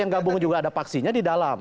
yang gabung juga ada paksinya di dalam